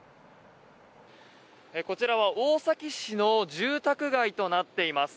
こちらは大崎市の住宅街となっています。